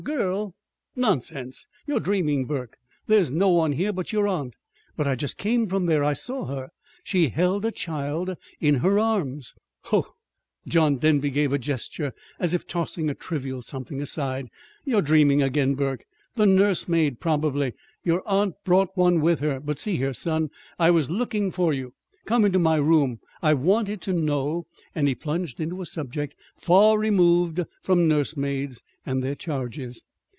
Girl? Nonsense! You're dreaming, Burke. There's no one here but your aunt." "But I just came from there. I saw her. She held a child in her arms." "Ho!" John Denby gave a gesture as if tossing a trivial something aside. "You're dreaming again, Burke. The nursemaid, probably. Your aunt brought one with her. But, see here, son. I was looking for you. Come into my room. I wanted to know " And he plunged into a subject far removed from nursemaids and their charges.